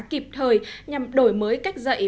kịp thời nhằm đổi mới cách dạy